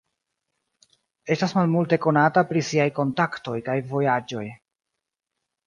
Estas malmulte konata pri siaj kontaktoj kaj vojaĝoj.